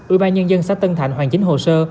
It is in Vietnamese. ủy ban nhân dân xã tân thạnh hoàn chính hồ sơ